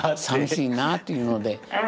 さみしいなぁっていうので。